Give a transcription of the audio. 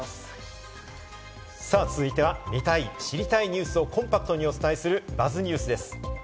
続いては、見たい知りたいニュースをコンパクトにお伝えする「ＢＵＺＺニュース」です。